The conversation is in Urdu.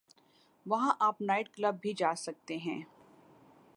وہاں آپ نائب کلب بھی جا سکتے ہیں۔